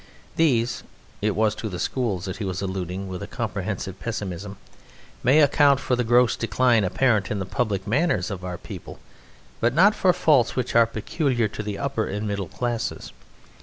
These" (it was to the schools that he was alluding with a comprehensive pessimism) "may account for the gross decline apparent in the public manners of our people, but not for faults which are peculiar to the upper and middle classes.